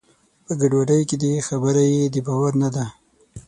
په ګډوډۍ کې دی؛ خبره یې د باور نه ده.